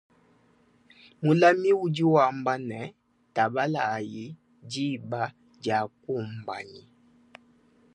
Mulami udi wamba ne tabalayi diba diakumbanyi.